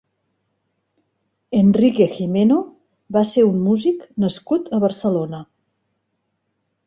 Enrique Gimeno va ser un músic nascut a Barcelona.